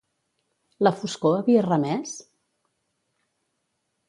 La foscor havia remès?